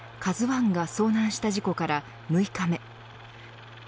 ＫＡＺＵ１が遭難した事故から６日目。